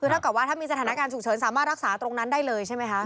คือเท่ากับว่าถ้ามีสถานการณ์ฉุกเฉินสามารถรักษาตรงนั้นได้เลยใช่ไหมคะ